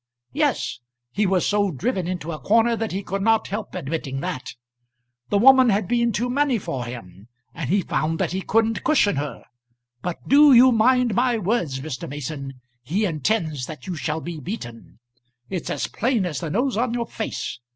"Yes; he was so driven into a corner that he could not help admitting that. The woman had been too many for him, and he found that he couldn't cushion her. But do you mind my words, Mr. Mason. He intends that you shall be beaten. It's as plain as the nose on your face.